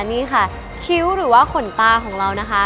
นี่ค่ะคิ้วหรือว่าขนตาของเรานะคะ